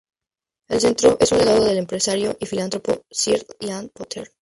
El centro es un legado del empresario y filántropo Sir Ian Potter.